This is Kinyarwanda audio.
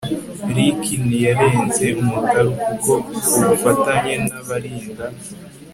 Rick ntiyarenze umutaru kuko kubufatanye nabarinda